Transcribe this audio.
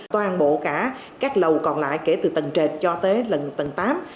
toàn bộ cả các lầu còn lại kể từ tầng trệt cho tới lần tầng tám